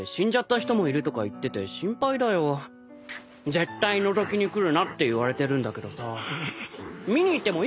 絶対のぞきに来るなって言われてるんだけどさ見に行ってもいいかな？